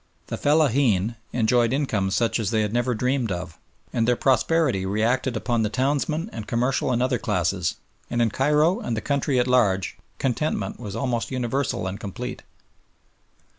The fellaheen enjoyed incomes such as they had never dreamed of, and their prosperity reacted upon the townsmen and commercial and other classes, and in Cairo and the country at large contentment was almost universal and complete.